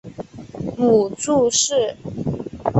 母祝氏。